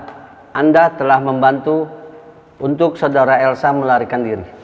apakah anda telah membantu untuk saudara elsa melarikan diri